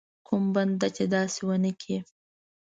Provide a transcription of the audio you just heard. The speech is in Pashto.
کوم بنده چې داسې ونه کړي.